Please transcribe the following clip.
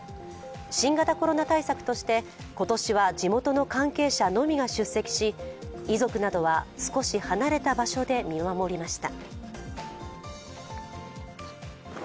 新型コロナ対策として、今年は地元の関係者のみが出席し遺族などは少し離れた場所で見守りました。